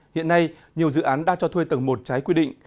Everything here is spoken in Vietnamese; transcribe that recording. hiện nay nhiều dự án đang cho thuê tầng một trái quy định